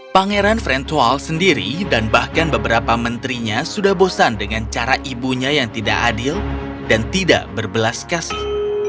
pangeran frentual sendiri dan bahkan beberapa menterinya sudah bosan dengan cara ibunya yang tidak adil dan tidak berbelas kasih